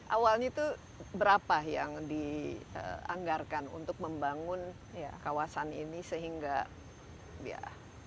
awalnya itu berapa yang dianggarkan untuk membangun kawasan ini sehingga ya